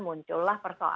muncullah persisnya gitu ya